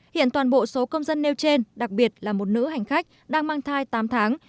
hiện toàn bộ số công dân nêu trên đặc biệt là một nữ hành khách đang mang thai tám tháng